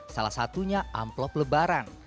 salah satunya amplop lebaran